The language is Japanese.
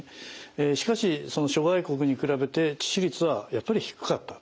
しかしその諸外国に比べて致死率はやっぱり低かった。